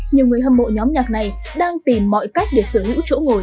nhiều người hâm mộ nhóm nhạc này đang tìm mọi cách để sở hữu chỗ ngồi